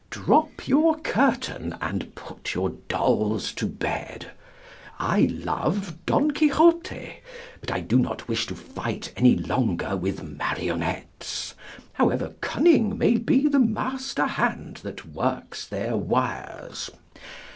Drop your curtain and put your dolls to bed. I love Don Quixote, but I do not wish to fight any longer with marionettes, however cunning may be the master hand that works their wires.